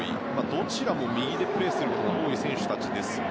どちらも右でプレーすることが多い選手たちですが。